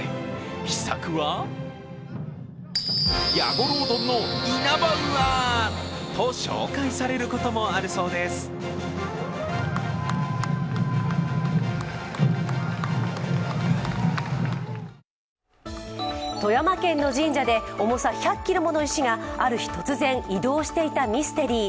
秘策は弥五郎どんのイナバウアーと紹介されることもあるそうです、富山県の神社で重さ１００ｋｇもの石がある日、突然移動していたミステリー。